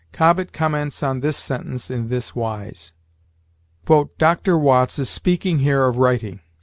Cobbett comments on this sentence in this wise: "Dr. Watts is speaking here of writing.